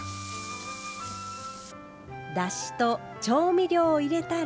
だしと調味料を入れたら。